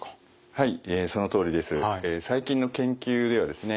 はい。